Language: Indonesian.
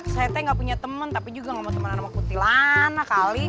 saya teh gak punya temen tapi juga gak mau temenan sama kuntilanak kali